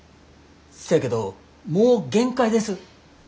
そやけどもう限界です。